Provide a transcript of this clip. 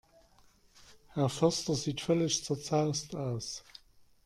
Herr Förster sieht völlig zerzaust aus.